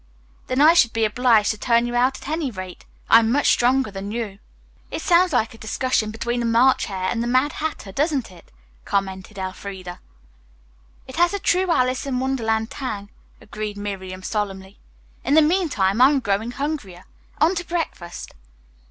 "Then I should be obliged to turn you out, at any rate. I am much stronger than you." "It sounds like a discussion between the March Hare and the Mad Hatter, doesn't it?" commented Elfreda. "It has a true Alice in Wonderland tang," agreed Miriam solemnly. "In the meantime I am growing hungrier. On to breakfast!"